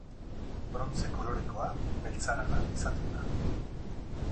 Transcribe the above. Brontze kolorekoa, beltzarana, izaten da.